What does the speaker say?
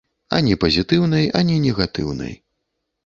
Ані пазітыўнай, ані негатыўнай.